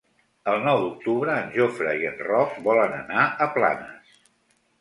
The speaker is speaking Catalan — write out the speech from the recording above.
El nou d'octubre en Jofre i en Roc volen anar a Planes.